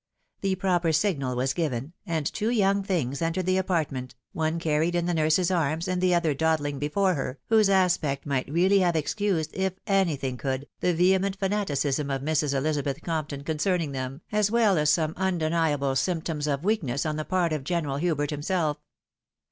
The proper signal was given, and two young things entered the apartment, one carried in the nurse's arms, and the other doddling before her, whosg aspect might really have excused, if anything could, the vehement fanaticism of Mis. Elizabeth Compton concerning them, as well as some un c2 36 THE WIDOW MARRIED. deniable symptoms of weakness on the part of General Hubert Umself.